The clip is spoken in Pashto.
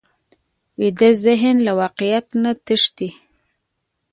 ویده ذهن له واقعیت نه تښتي